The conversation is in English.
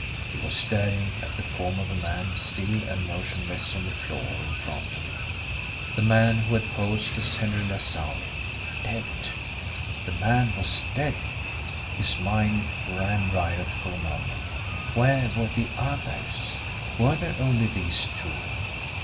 He was staring at the form of a man still and motionless on the floor in front of him the man who had posed as Henry LaSalle. Dead! The man was dead! His mind ran riot for a moment. Where were the others were there only these two?